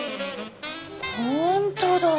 本当だ！